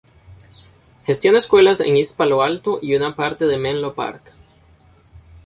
Gestiona escuelas en East Palo Alto y una parte de Menlo Park.